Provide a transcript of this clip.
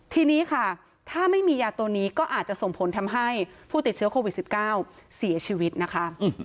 ทีนี้ค่ะถ้าไม่มียาตัวนี้ก็อาจจะส่งผลทำให้ผู้ติดเชื้อโควิด๑๙เสียชีวิตนะคะ